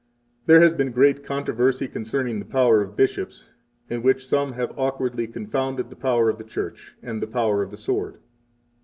1 There has been great controversy concerning the Power of Bishops, in which some have awkwardly confounded the power of the Church 2 and the power of the sword.